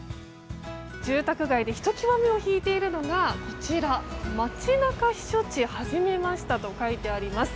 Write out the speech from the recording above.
住宅街でひときわ目を引いているのがこちらまちなか避暑地はじめましたと書いてあります。